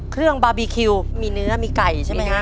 เครื่องบาร์บีคิวมีเนื้อมีไก่ใช่มั้ยคะ